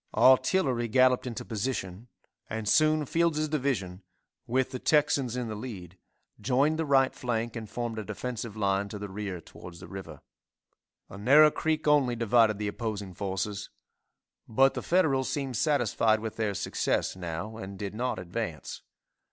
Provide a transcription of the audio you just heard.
Artillery galloped into position, and soon Fields' division, with the Texans in the lead, joined the right flank and formed a defensive line to the rear towards the river. A narrow creek only divided the opposing forces, but the Federals seemed satisfied with their success now and did not advance.